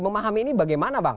memahami ini bagaimana bang